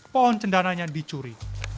pohon cendananya dicuri